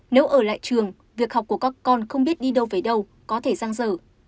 nếu ở lại trường việc học của các con không biết đi đâu về đâu có thể răng rở